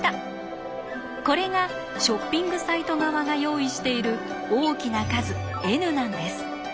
これがショッピングサイト側が用意している大きな数Ｎなんです。